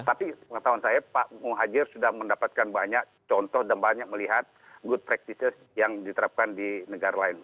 tapi pengetahuan saya pak muhajir sudah mendapatkan banyak contoh dan banyak melihat good practices yang diterapkan di negara lain